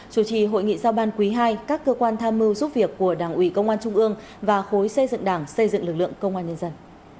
chủ trì hội nghị giao ban quý ii các cơ quan tham mưu giúp việc của đảng ủy công an trung ương và khối xây dựng đảng xây dựng lực lượng công an nhân dân